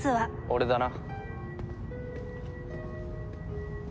俺だな。